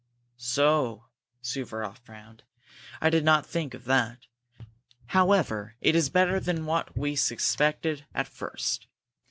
"So!" Suvaroff frowned. "I did not think of that! However, it is better than what we suspected at first.